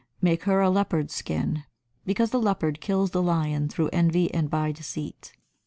Make her a leopard's skin, because the leopard kills the lion through envy and by deceit.